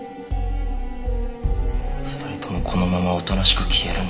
２人ともこのままおとなしく消えるんだ。